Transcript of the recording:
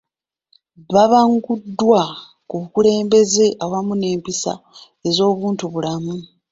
Babanguddwa ku bukulembeze awamu n'empisa ez'obuntubulamu